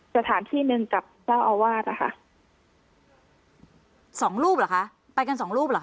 สถานที่หนึ่งกับเจ้าอาวาสนะคะสองรูปเหรอคะไปกันสองรูปเหรอ